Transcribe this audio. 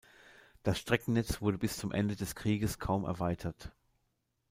Das Streckennetz wurde bis zum Ende des Krieges kaum erweitert.